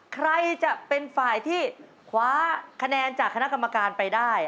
ใครจะเป็นฝ่ายที่คว้าคะแนนจากคณะกรรมการไปได้